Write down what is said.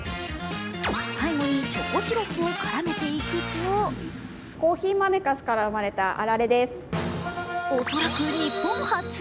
最後にチョコシロップを絡めていくと恐らく、日本初！